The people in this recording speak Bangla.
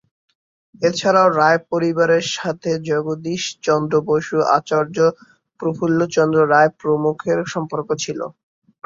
এছাড়াও রায় পরিবারের সাথে জগদীশ চন্দ্র বসু, আচার্য প্রফুল্লচন্দ্র রায় প্রমুখের সম্পর্ক ছিল।